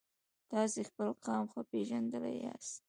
تاسو خپل قام ښه پیژندلی یاست.